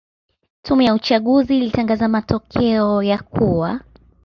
Tume ya uchaguzi ilitangaza matokeo ya kuwa